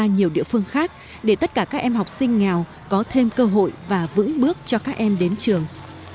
nhiều địa phương khác để tất cả các em học sinh nghèo có thêm cơ hội và vững bước cho các em đến trường